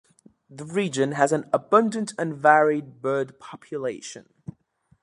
The region has an abundant and varied bird population.